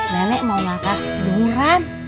nenek mau makan denguran